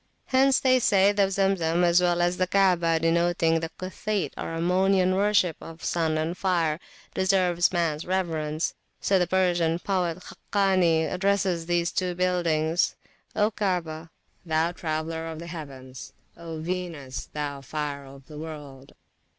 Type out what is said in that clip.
Hence they say the Zemzem, as well as the Kaabah, denoting the Cuthite or Ammonian worship of sun and fire, deserves mans reverence. So the Persian poet Khakani addresses these two buildings: O Kaabah, thou traveller of the heavens! O Venus, thou fire of the world!